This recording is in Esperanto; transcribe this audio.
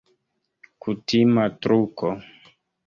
Kutima truko.